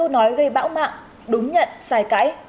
bói gây bão mạng đúng nhận sai cãi